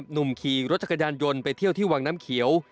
หนุ่มขี่รถจักรยานยนต์ไปเที่ยวที่วังน้ำเขียว